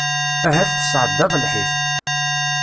Ahat tesεeddaḍ lḥif.